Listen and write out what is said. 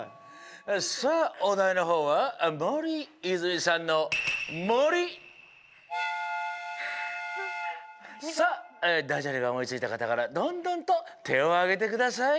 さあおだいのほうは森泉さんのさあダジャレがおもいついたかたからどんどんとてをあげてください。